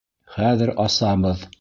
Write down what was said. Хәҙер асабыҙ!..